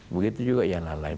begitu juga yang lain lain